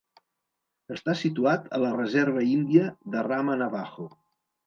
Està situat a la reserva índia de Ramah Navajo.